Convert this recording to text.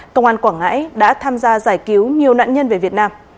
công an quảng ngãi đã tham gia giải cứu nhiều nạn nhân về việt nam